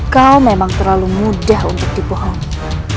kau memang terlalu mudah untuk dibohongi